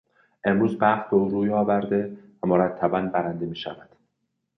امروز بخت به او روی آورده و مرتبا برنده میشود.